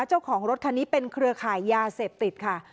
เจ้าของรถคันนี้เป็นเครือข่ายยาเสพติดค่ะ